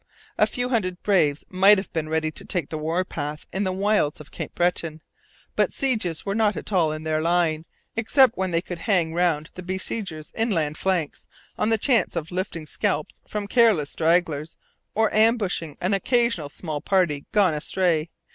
A few hundred braves might have been ready to take the war path in the wilds of Cape Breton; but sieges were not at all in their line, except when they could hang round the besiegers' inland flanks, on the chance of lifting scalps from careless stragglers or ambushing an occasional small party gone astray.